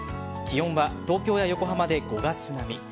気温は、東京や横浜で５月並み。